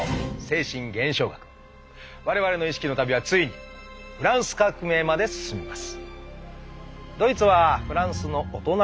我々の意識の旅はついにフランス革命まで進みます。